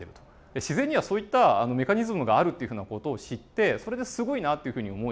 自然にはそういったメカニズムがあるっていうふうな事を知ってそれですごいなっていうふうに思い